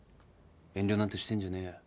遠慮なんてしてんじゃねえよ。